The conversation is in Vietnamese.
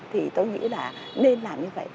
thì tôi nghĩ là nên làm như vậy